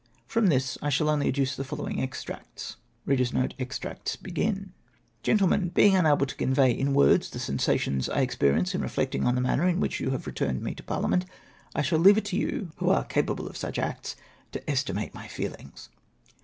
From this I shall only adduce the following extracts :—" GrENTLEMEN, — Being unable to convey in words the sen sations I experience in reflecting on the manner in which you have returned me to Parliament, I sliall leave it to you, who are capable of such acts, to estimate my feelings.